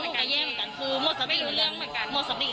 เป็นแบบนี้บ่อยไหมอ่ะอันนี้หนูไม่ทราบแต่คือหนูเคยเห็นเขาแบบร่วงแบบเนี้ย